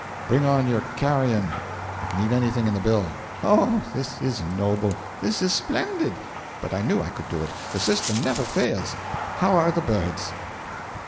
'Bring on your carrion I can eat anything in the bill!' 'Oh, this is noble, this is splendid but I knew I could do it, the system never fails. How are the birds?'